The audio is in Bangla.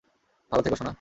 ভালো থেকো, সোনা।